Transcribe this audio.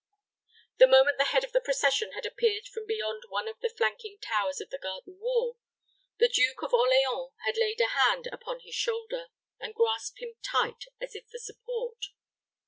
The moment the head of the procession had appeared from beyond one of the flanking towers of the garden wall, the Duke of Orleans had laid a hand upon his shoulder, and grasped him tight, as if for support.